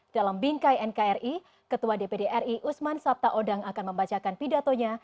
dalam bingkai nkri ketua dpd ri usman sabtaodang akan membacakan pidatonya